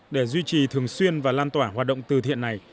để duy trì thường xuyên và lan tỏa hoạt động từ thiện này